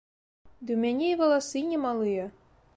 Ды ў мяне і валасы не малыя.